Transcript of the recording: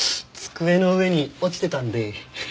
机の上に落ちてたんで。